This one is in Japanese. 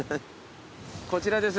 こちらです。